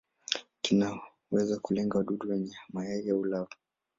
Kinaweza kulenga wadudu wenyewe, mayai au lava.